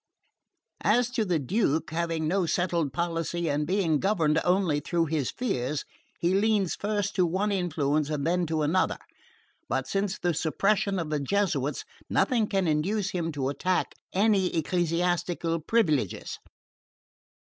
"As to the Duke, having no settled policy, and being governed only through his fears, he leans first to one influence and then to another; but since the suppression of the Jesuits nothing can induce him to attack any ecclesiastical privileges.